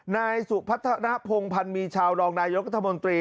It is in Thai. นายสุพัฒนภงพันธ์มีชาวรองนายกัธมนตรี